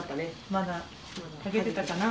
まだ剥げてたかな。